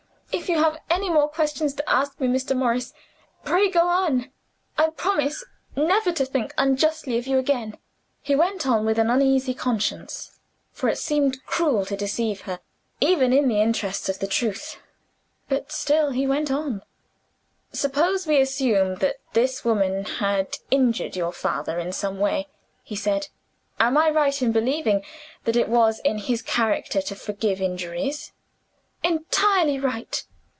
"If you have any more questions to ask me, Mr. Morris, pray go on. I promise never to think unjustly of you again." He went on with an uneasy conscience for it seemed cruel to deceive her, even in the interests of truth but still he went on. "Suppose we assume that this woman had injured your father in some way," he said. "Am I right in believing that it was in his character to forgive injuries?" "Entirely right."